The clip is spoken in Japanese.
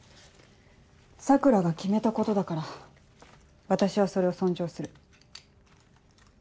桜が決めたことだから私はそれを尊重する。